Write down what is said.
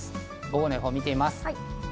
午後の予報を見てみます。